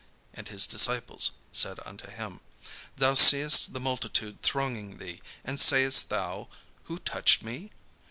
And his disciples said unto him: "Thou seest the multitude thronging thee, and sayest thou, 'Who touched me?'"